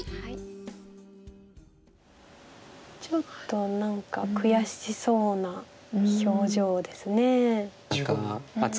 ちょっと何か悔しそうな表情ですね。